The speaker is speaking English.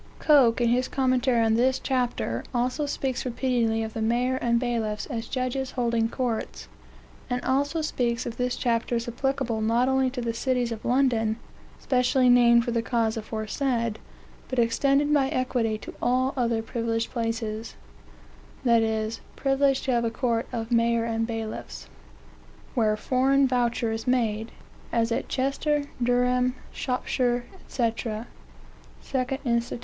Coke, in his commentary on this chapter, also speaks repeatedly of "the mayor and bailiffs" as judges holding courts, and also speaks of this chapter as applicable not only to "the citie of London, specially named for the cause aforesaid, but extended by equity to all other privileged places," (that is, privileged to have a court of "mayor and bailiffs,") "where foreign voucher is made, as to Chester, Durham, Salop," &e. 2 Inst.